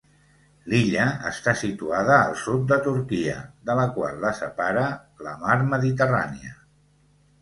L'illa està situada al sud de Turquia, de la qual la separa la mar Mediterrània.